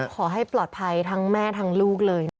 ขอให้ปลอดภัยทั้งแม่ทั้งลูกเลยนะคะ